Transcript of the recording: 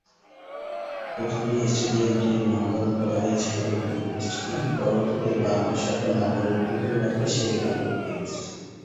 প্রথমে স্টেডিয়ামটির নামকরণ করা হয়েছিল মিরপুর স্টেডিয়াম, পরবর্তীতে বাংলাদেশ সরকার নাম পরিবর্তন করে রাখে শের-ই-বাংলা ক্রিকেট স্টেডিয়াম।